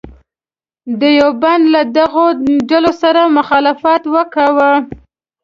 دیوبند له دغو ډلو سره مخالفت وکاوه.